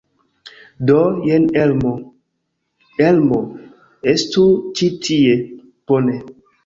Do, jen Elmo. Elmo, estu ĉi tie! Bone.